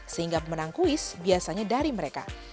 sehingga pemenang kuis biasanya dari mereka